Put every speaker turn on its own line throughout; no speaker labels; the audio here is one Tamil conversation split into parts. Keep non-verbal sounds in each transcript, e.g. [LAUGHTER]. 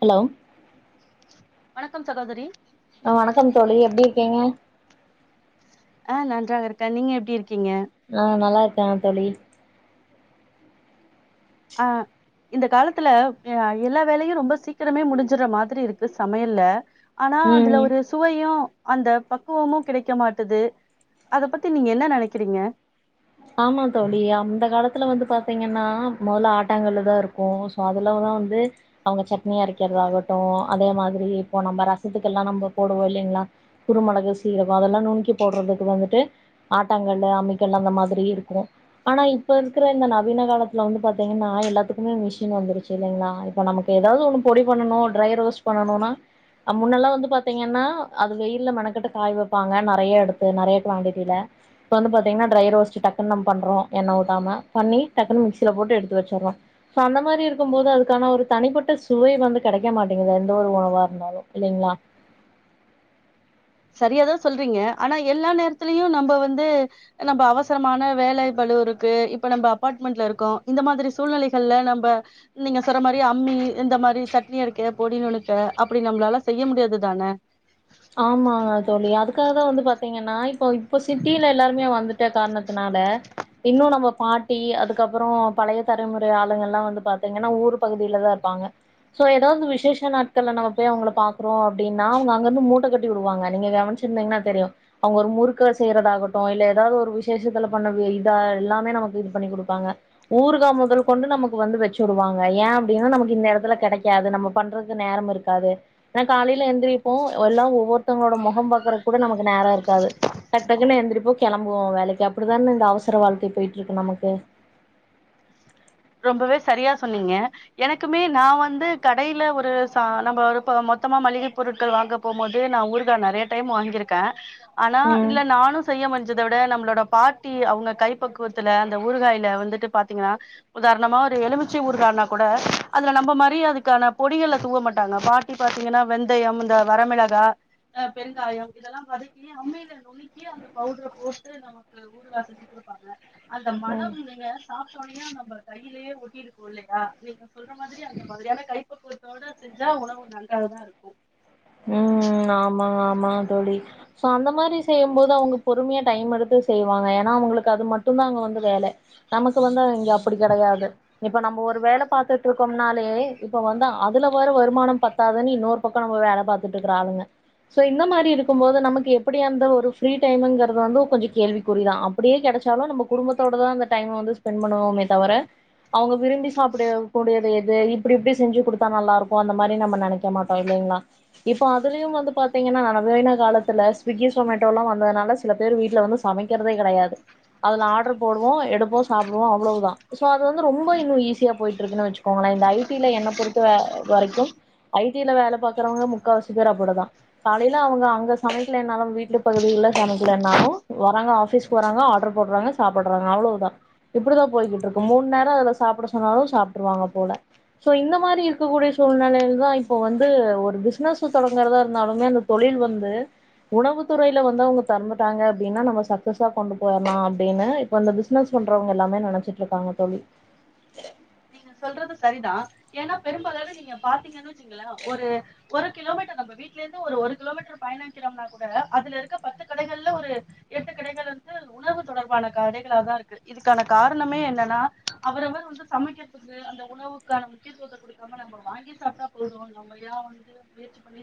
ஹலோ
வணக்கம் சகோதரி.
அ வணக்கம் தோழி எப்டி இருக்கீங்க?
ஆஹ் நன்றாங்க இருக்க நீங்க எப்டி இருக்
ஆஹ் நல்லார் க தோழி
ஆஹ் இந்த காலத்துல எல்லா வேலையு ரொம்ப சீக்கிரமே முடிஞ்சுற மாதிரி இருக்கு சமையல்ல ஆனா
ம்
அதுல ஒரு சுவையு அந்த பக்குவமு கிடைக்க மாட்டுது அத பத்தி நீங்க என்ன நெனைக்கிறீங்க
ஆமா தோழி அந்த காலத்துல வந்து பாத்தீங்கன்னா முதல்ல ஆட்டாங்கள்ளுதா இருக்கு சோ அதுலதா வந்து அவுங்க சட்னி அரைக்கிறதாகட்டு அதே மாரி இப்போ நம்ம ரசத்துக்கெல்லா நம்ம போடுவோ இல்லைங்ளா குருமிளகு சீரகம் அதெல்லா நுணுக்கி போடுறதுக்கு வந்துட்டு ஆட்டாங்கல்லூ அம்மிக்கல்லூ அந்த மாரி திரி இருக்கு ஆனா இப்ப இருக்கிற இந்த நவீன காலத்துல வந்து பாத்தீங்கன்னா எல்லாத்துக்குமே மிஷின் வந்திருச்சு இல்லைங்ளா, இப்ப நமக்கு எதாவது ஒண்ணு பொடி பண்ணனு டிரை ரோஸ்ட் பண்ணனுனா முன்னெல்லா வந்து பாத்தீங்கன்னா அத வெய்யில மெனக்கெட்டு காய வெப்பாங்க நெறயா எடுத்து நெறயா குவாண்டிடில இப்ப வந்து பாத்தீங்கன்னா டிரை ரோஸ்ட் ச்சு டக்குன் நம்ம பண்றோ எண்ண ஊத்தாம பண்ணி டக்குன்னு மிக்சில போட்டு எடுத்து வெச்சிடறோ சோ அந்த மாரி இருக்கும்போது அதுக்கான ஒரு தனிப்பட்ட சுவை வந்து கெடைக்க மாட்டேங்குது எந்த ஒரு உணவா இருந்தாலு இல்லைங்ளா.
சரியாதா சொல்றீங்க ஆனா எல்லா நேரத்துலயு நம்ப வந்து நம்ப அவசரமான வேலை பலு இருக்கு இப்ப நம்ம அப்பார்ட்மெண்ட்ல இருக்கோ இந்த மாரி சூழ்நிலைகள்ல நம்ப நீங்க சொன்ன மாரி அம்மி இந்த மாரி சட்னி அரைக்க, பொடி நுணுக்க அப்படி நம்பலால செய்ய முடியாதுதான.
ஆமாங்க தோழி அதுக்காக வந்து பாத்தீங்கன்னா இப்போ இப்ப சிட்டியில எல்லாருமே வந்துட்ட காரணத்தினால இன்னு நம்ம பாட்டி அதுக்கப்புறோ பழைய தலைமுறை ஆளுங்கெல்லா வந்து பாத்தீங்கன்னா ஊர் பகுதியிலதா இருப்பாங்க சோ எதாவது விசேஷ நாட்கள்ல நாம போய் அவுங்கள பாக்குறோ அப்படின்னா அவுங்க அங்கிருந்து மூனு கட்டி விடுவாங்க நீங்க கவனிச்சிருந்தீங்கன்னா தெரியு. அவுங்க ஒரு முறுக்க செய்யறதாகட்டு இல்ல எதாவது ஒரு விசேஷத்துல பண்ண இதா எல்லாமே நமக்கு இது பண்ணி குடுப்பாங்க. ஊறுகா முதல் கொண்டு நமக்கு வந்து வெச்சு விடுவாங்க ஏ அப்படின்னா நமக்கு இந்த எடத்துல கெடைக்காது நம்ம பண்றதுக்கு நேரம் இருக்காது ஏன்னா காலையில எந்திரிப்போ. ல்லா ஒவ்வொரு மத்தவங்களோட முகோம் பாக்குறதுக்கு கூட நமக்கு நேரோ இருக்காது டக்டக்ன்னு எந்திரிப்போ. கெளம்புவோ வேலைக்கு அப்படிதான இந்த அவசர வாழ்க்கை போயிட்டு இருக்கு நமக்கு
ரொம்பவே சரியா சொன்னிங்க எனக்குமே நா வந்து கடைல ஒரு ச நம்ப ஒரு இப்ப மொத்தமா மளிகை பொருட்கள் வாங்க போம் போது நா ஊறுகா நறையா டைம் வாங்கிருக்க ஆனா
ம்
இல்ல நானு செய்ய முஞ்சத விட நம்ளோட பாட்டி அவுங்க கைப்பக்குவத்துல அந்த ஊறுகாய்ல வந்துட்டு பாத்திங்கனா உதாரணமா ஒரு எலுமிச்சை ஊறுகானா கூட அதுல நம்ம மாரி அதுக்கான பொடிகள தூவ மாட்டாங்க பாட்டி பாத்திங்கனா வெந்தயம் இந்த வரமிளகா பெருங்காயம் இதலா வதக்கி அம்மில நுனுக்கி அந்த பவுடர போட்டு நமக்கு ஊறுகா செஞ்சு குடுப்பாங்க அந்த
ம்
மணம் நீங்க சாப் சொழையா நம்பறே கையிலயே ஒட்டியிருக்கு இல்லையா நீங்க சொல்ற மாதிரி அந்த மாதிரியான கைப்பக்குவத்தோட செஞ்சா உணவு நன்றாகதா இருக்கு
ம் ஆமாங்க ஆமாங்க தோழி சோ அந்த மாரி செய்யும்போது அவுங்க பொறுமையா டைம் எடுத்து செய்வாங்க ஏனா அவுங்ளுக்கு அது மட்டுந்தா அங்க வந்து வேல நமக்கு வந்து இங்க அப் அப்டி கெடையாது இப்ப நம்ம ஒரு வேல பாத்துட்ருக்கோம்னாலே இப்ப வந்து அதுல வர வருமானம் பத்தாதுன் இன்னொரு பக்க நம்ம வேல பாத்துட்ருக்ற ஆளுங்க சோ இந்த மாரி இருக்கும்போது நமக்கு எப்படி அந்த ஒரு ஃப்ரீ டைம்ங்றது வந்து கொஞ்ச கேள்விக்குறிதா அப்பிடியே கெடைச்சாலு நம்ம குடும்பத்தோடதா அந்த டைம வந்து ஸ்பென்ட் பண்ணுவோமே தவர அவங்க விரும்பி சாப்ட கூடியது எது இப்டி இப்டி செஞ்சு குடுத்தா நல்லாருக்கு அந்த மாரி நம்ம நெனைக்க மாட்டோ இல்லைங்ளா இப்போ அதுலயு வந்து பாத்தீங்கன்னா நவ்வீன காலத்துல ஸ்விக்கி சொமேட்டால்லா வந்ததுனால சில பேர் வீட்ல வந்து சமைக்கறதே கெடயாது அதுல ஆட்ரு போடுவோ எடுப்போ சாப்டுவோ அவ்ளோதா சோ அது வந்து ரொம்ப இன்னு ஈஸியா போயிட்டு இருக்குன்னு வெச்சுக்கோங்களே இந்த ஐட்டில என்ன பொறுத்த வரைக்கும் ஐட்டில வேல பாக்கறவங்க முக் முக்காவாசி பேரு அப்டிதா காலோல அவங்க அங்க சமைக்கலேனாலு வீட்டு பகுதில சமைக்கலேனாலு வராங்க ஆபீஸ்போறாங்க ஆடர் போடுறாங்க சாப்டுறாங்க அவ்ளோதா இப்டிதா போயிகிட்டு இருக்கு மூணு நேர சாப்ட சொன்னாலு சாப்டுருவாங்க போல சோ இந்த மாரி இருக்கக்கூடிய சூழ்நிலைல்தா இப்ப வந்து ஒரு பிஸ்னஸ் த்து தொடங்குறதா இருந்தாலுமே அந்த தொழில் வந்து உணவு துறையில வந்து அவங்க தெறந்துட்டாங்க அப்டின்னா நம்ம சக்சஸா கொண்டு போய்றலா அப்டின்னு இப்ப அந்த பிசினஸ் பண்றவங்க எல்லாமே நெனச்சுட்டு இருக்காங்க தோழி
நீங்க சொல்றது சரிதா ஏன்னா பெரும்பாலரு நீங்க பாத்தீங்கன்ன வச்சுங்களே ஒரு ஒரு கிலோமீட்டர் நம்ம வீட்ல இருந்து ஒரு ஒரு கிலோமீட்டர் பயணிக்றம்னா கூட அதுல இருக்க பத்து கடைகள்ல ஒரு எட்டு கடைகள் வந்து உணவு தொடர்பான கடைகளாதா இருக்கு இதுக்கான காரணமே என்னன்னா அவரவர் வந்து சமைக்க [UNINTELLIGIBLE] அந்த உணவுக்கான முக்கியத்துவத்த கொடுக்காம நம்ம வாங்கி சாப்டா போது நம்ம யே வந்து முயற்சி பண்ணி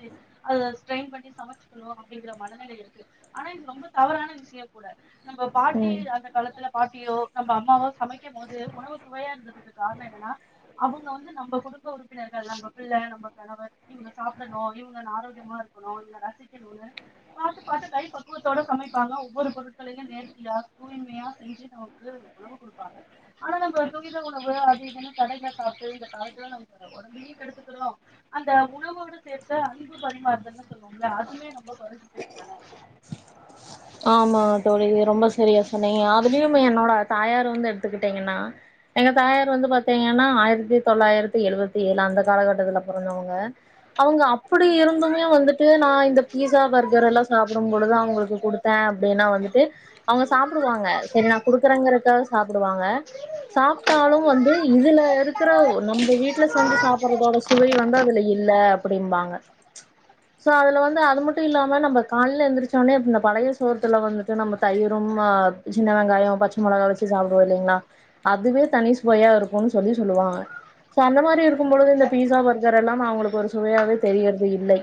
அத ஸ்ரெயின் பண்ணி சமைச்சுக்கணு அப்டிங்கற மனநெல இருக்கு ஆனா இது ரொம்ப தவறான விஷ்ய கூட நம்ம பாட்டி
ம்
அந்த காலத்துல பாட்டியோ நம்ம அம்மாவோ சமைக்கு போது உணவு சுவையா இருந்துது கார்னோ என்னனா அவுங்க வந்து நம்ம குடும்ப உறுப்பினர்கள் நம்ம பிள்ள நம்ம கணவர் இவங்க சாப்டணு இவங்க ஆரோக்கியமா இருக்கணு இல்ல ரசிக்கணு பாத்து பாத்து கை பக்குவத்தோட சமைப்பாங்க ஒவ்வொரு பொருட்களையு நேர்த்தியா தூய்மையா செஞ்சு நமக்கு உணவு கொடுப்பாங்க ஆனா நம்ம துரித உண ணவு அது இதுன்னு கடையில காப்பு இந்த காலத்ல நம்ப ஒடம்பையு கெடுத்துக்கிலோ அந்த உணவோட சேத்து அன்பு பரிமாறுதுன்லா சொல்லுவமில்ல அதுமே நம்ப கொறஞ்சு போய்டுச்தான
ஆமா தோழி ரொம்ப செரியா சொன்னீங்க அதுலயுமே என்னோட தாயார் வந்து எடுத்துக்கிட்டீங்கனா எங்க தாயார் வந்து பாத்தீங்கனா ஆயிரத்தி தொள்ளாயிரத்தி எழுவத்தி ஏழு அந்த காலகட்டத்துல பொறந்தவுங்க அவுங்க அப்டி இருந்துமே வந்துட்டு நா இந்த பீஸா பர்கரெல்லா சாப்டும் பொழுது அவ்ங்களுக் த அப்டினா வந்துட்டு அவ்ங்க சாப்டுவாங்க செரி நா குடுக்குறேங்கறக்காக சாப்டுவாங்க சாப்ட்டாலு வந்து இதுல இருக்கிற ஒ நம்ப வீட்ல செஞ்சு சாப்பட்றதோட சுவை வந்து அதுல இல்ல அப்டின்பாங்க சோ அதுல வந்து அது மட்டு இல்லாம நம்ப கால்ல எந்திருச்சோனே இந்த பழைய சோ சோத்துல வந்துட்டு நம்ம தயிரும் ஆ சின்ன வெங்காய பச்ச மொளகா வச்சு சாப்டுவோல்லிங்ளா அதுவே தனி சுவையா இருக்குன்னு சொல்லி சொல்லுவாங்க சோ அந்த மாரி இருக்கும் பொழுது இந்த பீஸா பர்கர் எல்லா அவங்களுக்கு ஒரு சுவையாவே தெரியறது இல்லை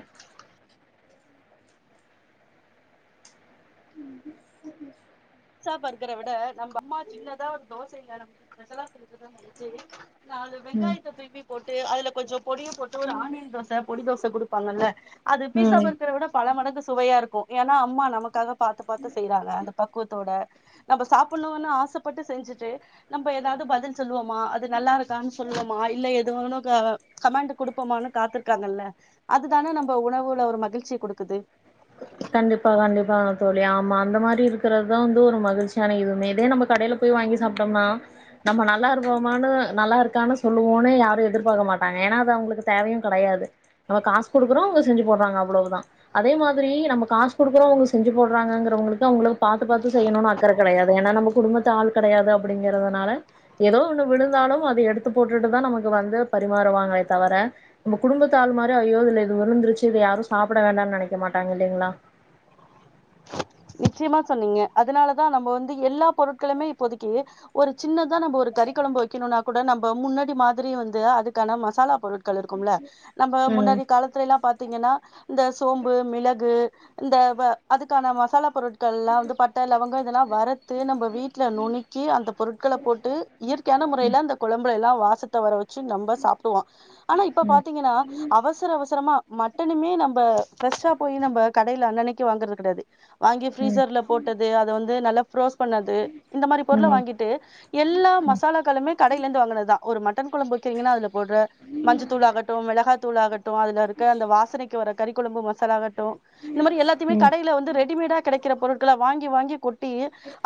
ஸ்சா பர்க்கற விட நம்ம அம்மா சின்னதா ஒரு தோச இல்ல நம்கு ஸ்பெஷல குடுக்கறதா நெனச்சு நாலு
ம்
வெங்காயத்த திருப்பி போட் ட்டு அதுல கொஞ்சோ பொடிய போட்டு ஒரு ஆனியன் தோச பொடி தோஸ் குடுப்பாங்கல்ல அது பீஸா
ம்
பர்கர விட பல மடங்கு சுவையா இருக்கு ஏனா அம்மா நமக்காக பாத்து பாத்து செய்யறாங்க அந்த பக்குவத் பக்குவத்தோட நம்ம சாப்பிடணுனு ஆசைப்பட்டு செஞ்சுட்டு நம்ப எதாவது பதில் சொல்லுவோமா அது நல்லா இருக்கான்னு சொல்லுவோமா இல்ல எதுவோனு கமண்ட் குடுப்பமானு காத்திருக்காங்கல்ல அதுதானே நம்ம உணவுல ஒரு மகிழ்ச்சிய குடுக்குது
கண்டிப்பா, கண்டிப்பா தோழி. ஆமா, அந்த மாரி இருக்கிறதுதா வந்து ஒரு மகிழ்ச்சியான இதுமே இதே நம்ம கடையில போய் வாங்கி சாப்பிட்டம்னா நம்ம நல்லா இருபோமானு நல்லா இருக்கானு சொல்லுவோனு யாரு எதிர்பார்க்க மாட்டாங்க ஏனா அது அவுங்களுக்கு தேவையுங் கெடையாது நம்ம காசு குடுக்குறோ அவுங்க செஞ்சு போடுறாங்க அவ்ளவுதா அதே மாதிரி நம்ம காசு குடுக்குறோ அவுங்க செஞ்சுபோடுறாங்கங்கிறவங்களுக்கு அவுங்களுக்கு பாத்து பாத்து செய்யணுனு அக்கற கெடையாது ஏனா நம்ம குடும்பத்த ஆள் கெடையாது அப்படிங்கறதுனால ஏதோ ஒண்ணு விழுந்தாலும் அத எடுத்து போட்டுட்டுதா நமக்கு வந்து பரிமாறுவாங்களே தவிர நம்ம குடும்பத்த ஆள் மாரி ஐயோ இதுல இது விழுந்துருச்சு யாரு சாப்பிட வேண்டானு நினைக்க மாட்டாங்க ல்லைங்ளா
நிச்சயமா சொன்னீங்க அதனாலதா நம்ம வந்து எல்லா பொருட்களுமே இப்போதைக்கு ஒரு சின்னதா நம்ம ஒரு கறி குழம்பு வெக்கணுனா கூட நம்ப முன்னாடி மாதிரி வந்து அதுக்கான மசாலா பொருட் கள் இருக்குமல்ல நம்ப
ம்
முன்னாடி காலத்திலயெல்லா பாத்து பாத்தீங்கன்னா இந்த சோம்பு மிளகு இந்த அதுக்கான மசா மசாலா பொருட் கள் எல்லா வந்து பட்ட லவங்கொ வரத்து நம்ம வீட்ல நுணுக்கி அந்த பொருட்கள போட்டு இயற்கையான முறையில அந்த குழம்ப எல்லா வாசத்த வரவெ ச்சு நம்ப சாப்பிடுவோ ஆனா இப்ப
ம்
பாத்தீங்கன்னா அவசர அவசரமா மட்டனுமே நம்ப ஃரெஷ்ஷா போய் நம்ம கடையில அன்னனைக்கு வாங்கறது கெடையாது வாங்கி
ம்
பிரீசர்ல போட்டது அத வந்து இது நல்ல ஃபுரோஸ் பண்ணது இந்த மாரி பொருள
ம்
வாங்கிட்டு எல்லா மசாலாக்களுமே கடையில இருந்து வாங்கினதுதா ஒரு மட்டன் குழம்பு வெக்கறீங்கன்னா அதுல போட்ற மஞ்சத்தூள் ஆகட்டு மெளகா தூளாகட் டு அதுல இருக்க அந்த வாசனைக்கு வர கறி குழம்பு மசாலாகட் டு இந்த மாரி எல்லாத்தைமே
ம்
கடைல வந்து ரெட் கெடைக்கிற பொரு்ட்கள வாங்கி வாங்கி கொட் ட்டி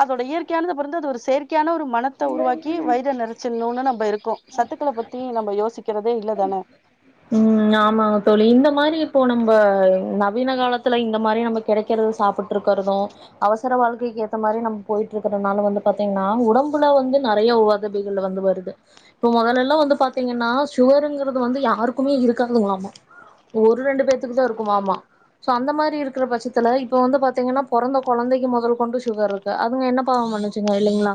அதோட இயற் கையானத பொருந்து அது ஒரு செயற் க்கையான ஒரு மணத்த உருவாக்கி வைற நெறச்சிற்ணுனு நம்ப இருக்கோ சத்துக்கள பத்தி நம்ம யோசிக்கிறதே இல்லதானே
ப்போ நம்ப நவீன காலத்துல இந்த மாரி நம்ம கெடைக்கிறத சாப்புட் ருக்கிறது அவச செல வாழ்க்கைக்கு ஏத்த மாரி நம் போயிட்ருக்கறனால வந்து பாத்திங்னா ஒடம் புல வந்து நெறைய ஒதவிகள் வந்து வருது ப மொதலெல்லாம் வந்து பாத்தீங்கன்னா ஷுகருங்குறது வந்து யாருக்குமே இருக்காதுங்ளாமா. ஒரு ரெண்டு பேத்துக்கு தான் இருக்குமாமா சோ அந்த மாரி இருக்குற பச்சத்துல இப்ப வந்து பாத்தீங்கன்னா பொறந்த கொழந்தைக்கு மொதல் கொண்டு ஷுகர் இருக்கு அதுங்க என்ன பாவம் பண்ணுச்சுங்க இல்லெங்ளா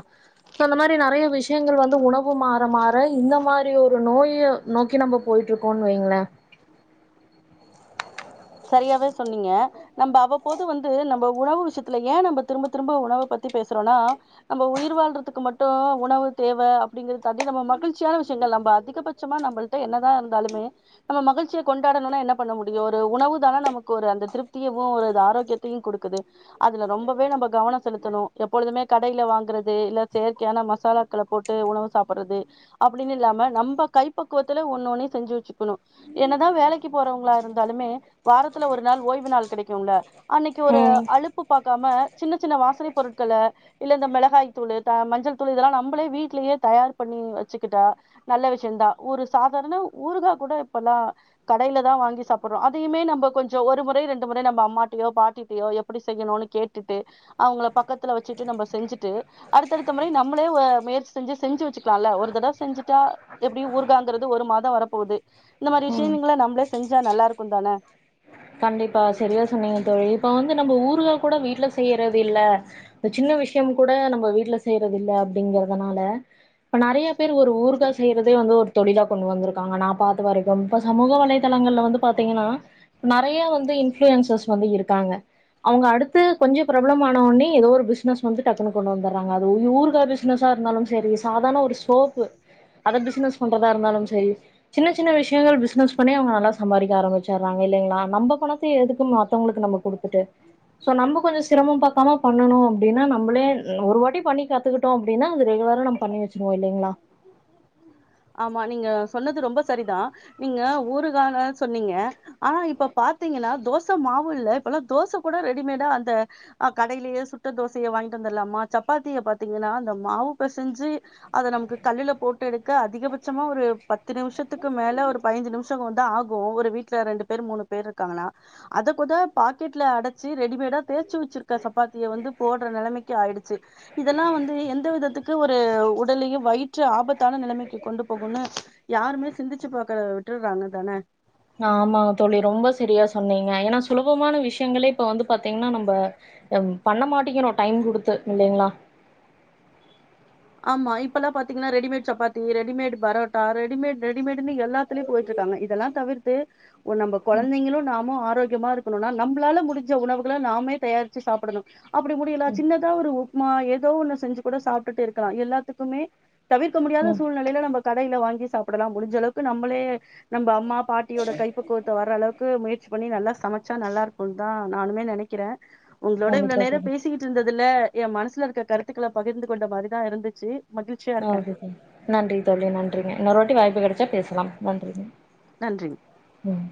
இப்ப அந்த மாரி நெறைய விஷயங்கள் வந்து உணவு மாற மாற இந்த மாரி ஒரு நோய நோக்கி நம்ப போயிட்ருக்கோன்னு வைங்களேன்
சரியாவே சொன்னிங்க நம்ப அவ்வப்போது வந்து நம்ப உணவு விஷ்யத்துல ஏ நம்ப திரும்ப திரும்ப உணவ பத்தி பேசுறோனா நம்ப உயிர் வாழ்றதுக்கு மட்டும் உணவு தேவ அப்டிங்குற தாண்டி நம்ம மகிழ்ச்சியான விஷ்யங்கள் நம்ப அதிகபச்சமா நம்மள்ட என்னதான் இருந்தாலுமே நம்ம மகிழ்ச்சிய கொண்டாடணுன்னா என்ன பண்ண முடியும் ஒரு உணவு தான நமக்கொரு அந்த திருப்தியவும் ஒரு ஆரோக்கியத்தையும் கொடுக்குது அதுல ரொம்பவே நம்ப கவனொம் செலுத்தணும் எப்பொழுதுமே கடைல வாங்குறது இல்ல செயற்கையான மசாலாக்கள போட்டு உணவு சாப்புட்றது அப்புடினில்லாம நம்ப கைப்பக்குவத்துல ஒன்னு ஒன்னை செஞ்சு வச்சுக்கணும் என்னதான் வேலைக்கி போறவங்ளா இருந்தாலுமே வாரத்துல ஒரு நாள் ஓய்வு நாள் கெடைக்கும்ல அன்னக்கி ஒரு
ம்
அழுப்பு பாக்காம சின்ன சின்ன வாசனை பொருட்கள இல்ல இந்த மெளகாய் தூளு த மஞ்சள் தூள் இதெல்லாம் நம்பளே வீட்லயே தயார் பண்ணி வச்சுக்கிட்டா நல்ல விஷ்யந்தான் ஒரு சாதாரண ஊறுகா கூட இப்பல்லாம் கடைலதான் வாங்கி சாப்புர்றோ அதையுமே நம் ப கொஞ்சொம் ஒரு முறை ரெண்டு முறை நம்ப அம்மாட்டையோ பாட்டிட்டையோ எப்புடி செய்யணுனு கேட்டுட்டு அவுங்கள பக்கத்துல வச்சிட்டு நம்ப செஞ்சுட்டு அடுத்தடுத்த முறை நம்மளே ஒ முயற்சி செஞ்சு செஞ்சு வச்சுக்கலாம் ஒரு தடவ செஞ்சுட்டா எப்டியு ஊறுகாங்குறது ஒரு மாதொம் வரப்போது இந்த மாரி
ம்
விஷ்யங்ளா நம்ளே செஞ்சா நல்லாருக்குந்தான
கண்டிப்பா செரியா சொன்னீங்க தோழி இப்ப வந்து நம்ம ஊறுகா கூட வீட்ல செய்யறதில்ல சின்ன விஷ்யம் கூட நம்ப வீட்ல செய்றதில்ல அப்டிங்கறதனால இப்ப நெறைய பேர் ஒரு ஊறுகா செய்யறதே வந்து ஒரு தொழிலா கொண்டு வந்துருக்காங்க நா பாத்த வரைக்கும் இப்ப சமூக வலைதளங்கள்ல வந்து பாத்தீங்கெனா நெறைய வந்து இன்ஃப்ளுயன்சர்ஸ் வந்து இருக்காங்க அவுங்க அடுத்து கொஞ்ச பிரபலம் ஆனோனே எதோ ஒரு பிஸ்னஸ் வந்து டக்குன்னு கொண்டு வந்தர்றாங்க அது ஊறுகா பிஸ்னஸாருந்தாலும் செரி சாதாண ஒரு சோப்பு அத பிஸ்னஸ் பண்றதா இருந்தாலும் செரி சின்ன சின்ன விஷ்யங்கள் பிஸ்னஸ் பண்ணி அவுங்க நல்லா சம்பாரிக்க ஆரம்பிச்சர்றாங்க இல்லைங்களா நம்ப பணத்த எதுக்கு மத்தவுங்களுக்கு நம்ம குடுத்துட்டு சோ நம்ப கொஞ்சொம் சிரமம் பாக்காம பண்ணுணும் அப்டின்னா நம்பளே ஒரு வாட்டி பண்ணி கத்துக்கிட்டோம் அப்டின்னா ரெகுலரா நம் பண்ணி வச்சிருவோம் இல்லிங்ளா
ஆமா நீங்க சொன்னது ரொம்ப சரிதான் நீங்க ஊறுகான சொன்னீங்க ஆனா இப்ப பாத்தீங்கன்னா தோச மாவு இல்ல இப்பல்லா தோச கூட ரெடிமேடா அந்த அ கடைலெயே சுட்ட தோசையே வாங்கிட் வந்தர்லாமா சப்பாத்திய பாத்தீங்கன்னா அந்த மாவு பெசஞ்சு அத நமக்கு கல்லுல போட் க அதிகபச்சமா ஒரு பத்து நிமிஷத்துக்கு மேல ஒரு பைஞ்சு நிமிஷ் ஷொம் வந்து ஆகும் ஒரு வீட்ல ரெண்டு பேர் மூணு பேர் இருக்காங்கனா அத குத பாக்கெட்ல அடச்சு ரெடிமேடா தே ச்சு வச்சுருக்க சப்பாத்திய வந்து போடுற நெலமைக்கு ஆயிடுச்சு இதெல்லாம் வந்து எந்த விதத்துக்கு ஒரு உட் உடலையும் வயிற்று ஆபத்தான நிலமை க்கி கொண்டு போகுன்னு யாருமே சிந்திச்சு பாக்கறத விட்டுர்காங்க தானே
ஆமாங்க தோழி ரொம்ப செரியா சொன்னீங்க ஏன்னா சுலபமான விஷ்யங்களே இப்ப வந்து பாத்தீங்ன்னா நம்ப பண்ண மாட்டேக்கிறோம் டைம் குடுத்து இல்லைங்ளா
ஆமா இப்பெல்லாம் பாத்தீங்கன்னா readymade chapati readymade parotta readymade ரெடிமேட்னு எல்லாத்துலயும் போயிட்ருக்கு காங்க இதெல்லாம் தவிர்த்து ஒ நம்ப
ம்
கொழந்தைங்களும் நாமும் ஆரோக் ஆரோக்கியமா இருக்கணும்னா நம்பளால முடிஞ்ச உணவுகள நாமே தயாரிச்சு சாப்புடணும் அப்புடி முடியல
ம்
சின்னதா ஒரு ஒ ப்மா எதோ ஒன்னு செஞ்சு கூட சாப்ட்டுட்டே இரு க்கலா எல்லாத்துக்குமே தவிர்க்க முடியாத
ம்
சூழ்நிலைல நம்ம கடைல வாங்கி சாப்பிடலா முடிஞ்ச அளவுக்கு நம்மளே நம்ப அம்மா அப் பாட்டியோட கைப்பக்குவத்த வர அளவுக்கு முயற்ச் பண்ணி நல்லா சமச்சா நல்லாருக்குன் தா நானுமே நெனைக்கிறே உங்ளோட இவ்ளோ
கண்டிப்பா
நேரோ
தோழி
பேசிகிட்ருந்தத் தில்ல எ மனசுல இருக்க கருத்துக்கள பகிர்ந்து கொண்ட மாதிர் தாஇருந்துச்சு
ஓக்கே தேங்க்யூ நன்றி தோழி நன்றிங்க இன்னொர் வாட்டி வாய்ப்பு கெடச்சா பேசலாம் நன்றிங்க
நன்றிங்
ம்